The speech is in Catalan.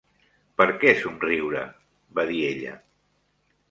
"Per què somriure?", va dir ella.